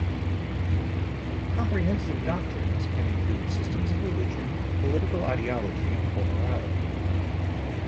Comprehensive doctrines can include systems of religion, political ideology, or morality.